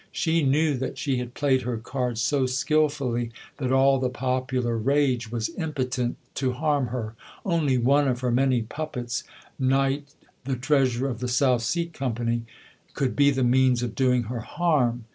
She knew that she had played her cards so skilfully that all the popular rage was impotent to harm her. Only one of her many puppets Knight, the Treasurer of the South Sea Company could be the means of doing her harm.